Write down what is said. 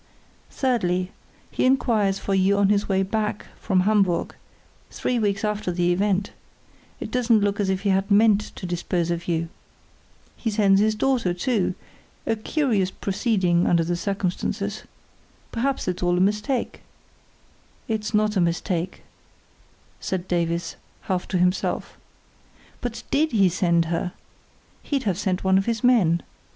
"Thirdly, he inquires for you on his way back from Hamburg, three weeks after the event. It doesn't look as if he thought he had disposed of you—it doesn't look as if he had meant to dispose of you. He sends his daughter, too; a curious proceeding under the circumstances. Perhaps it's all a mistake." "It's not a mistake," said Davies, half to himself. "But did he send her? He'd have sent one of his men.